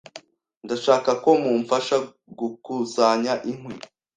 Ndashaka ko mumfasha gukusanya inkwi.